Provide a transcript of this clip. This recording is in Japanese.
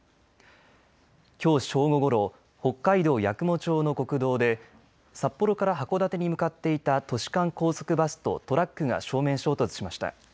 きょう正午ごろ北海道八雲町の国道で札幌から函館に向かっていた都市間高速バスとトラックが正面衝突しました。